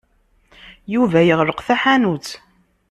Yuba yeɣleq taḥanut.